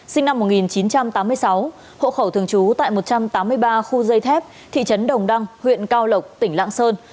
sinh năm một nghìn chín trăm tám mươi sáu hộ khẩu thường trú tại một trăm tám mươi ba khu dây thép thị trấn đồng đăng huyện cao lộc tỉnh lạng sơn